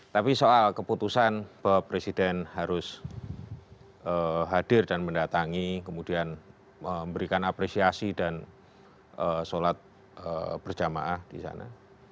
tapi soal keputusan bahwa presiden harus hadir dan mendatangi kemudian memberikan apresiasi dan sholat berjamaah di sana